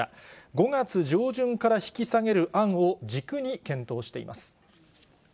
５月上旬から引き下げる案を軸に検討しています。